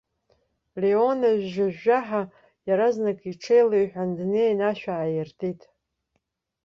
Леон ажәжәаҳәа иаразнак иҽеилаҳәан днеин ашә ааиртит.